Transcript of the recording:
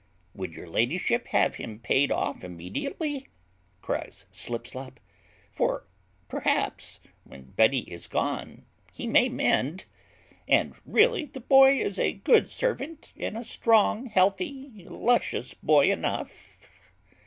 "Would your ladyship have him paid off immediately?" cries Slipslop, "for perhaps, when Betty is gone he may mend: and really the boy is a good servant, and a strong healthy luscious boy enough."